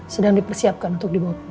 sedang dipersiapkan untuk dibawa